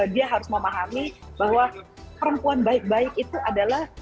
dia harus memahami bahwa perempuan baik baik itu adalah